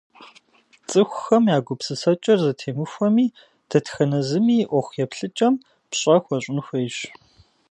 Цӏыхухэм я гупсысэкӏэр зэтемыхуэми, дэтхэнэ зыми и ӏуэху еплъыкӏэм пщӏэ хуэщӏын хуейщ.